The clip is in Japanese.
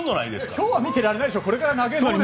今日は見てられないでしょう。